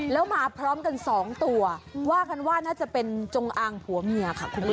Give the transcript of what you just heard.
แล้วมาพร้อมกัน๒ตัวว่ากันว่าน่าจะเป็นจงอางผัวเมียค่ะคุณผู้ชม